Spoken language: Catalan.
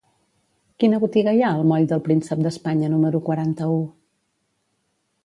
Quina botiga hi ha al moll del Príncep d'Espanya número quaranta-u?